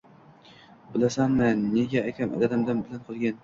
Bilasanmi, nega akam dadam bilan qolgan